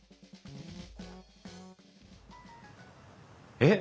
えっ。